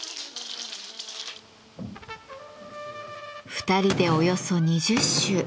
２人でおよそ２０周。